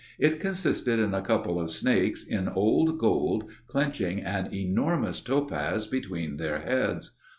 It consisted in a couple of snakes in old gold clenching an enormous topaz between their heads.